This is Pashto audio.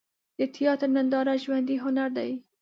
د تیاتر ننداره ژوندی هنر دی.